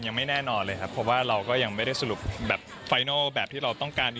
โอ้โหซุ่มเงียบแบบนี้จะบ้านหลังใหญ่หลังโตขนาดไหนคะเนี่ยน้องน้ายค่ะ